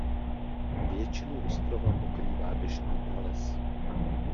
Většinu ostrova pokrývá deštný prales.